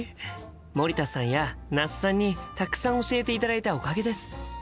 森田さんや那須さんにたくさん教えていただいたおかげです。